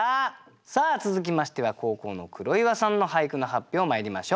さあ続きましては後攻の黒岩さんの俳句の発表まいりましょう。